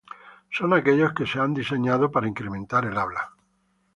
Son aquellos que han sido diseñados para incrementar el habla.